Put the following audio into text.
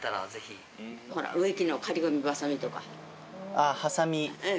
あハサミ。